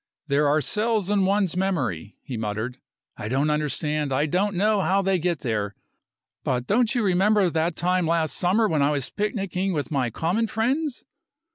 "There are cells in one's memory," he muttered. "I don't understand I don't know how they get there but don't you remember that time last summer when I was picnicking with my common friends?